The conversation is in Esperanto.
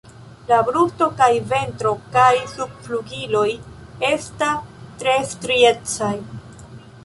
La brusto kaj ventro kaj subflugiloj esta tre striecaj.